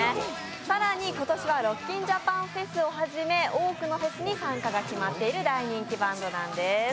更に今年はロッキンジャパンフェスをはじめ、多くのフェスに参加が決まっている大人気バンドなんです。